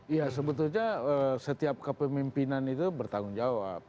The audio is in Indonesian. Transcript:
iya sebetulnya setiap kepemimpinan itu bertanggung jawab